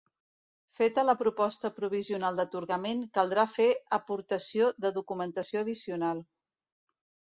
Feta la proposta provisional d'atorgament caldrà fer aportació de documentació addicional.